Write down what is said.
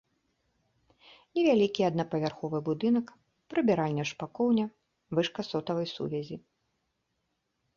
Невялікі аднапавярховы будынак, прыбіральня-шпакоўня, вышка сотавай сувязі.